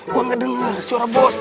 gue gak denger suara bos